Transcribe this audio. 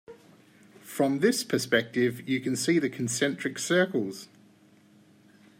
From this perspective you can see the concentric circles.